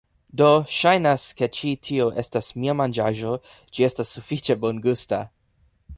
Do, ŝajnas, ke ĉi tio estas mia manĝaĵo ĝi estas sufiĉe bongusta